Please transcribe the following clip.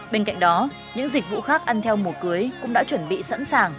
bên cạnh đó những dịch vụ khác ăn theo mùa cưới cũng đã chuẩn bị sẵn sàng